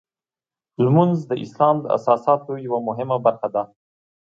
لمونځ د اسلام د اساساتو یوه مهمه برخه ده.